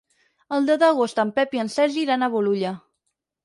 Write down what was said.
El deu d'agost en Pep i en Sergi iran a Bolulla.